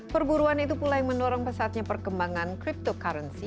perburuan itu pula yang mendorong pesatnya perkembangan cryptocurrency